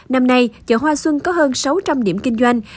năm nay chợ hoa xuân có hơn sáu trăm linh điểm kinh doanh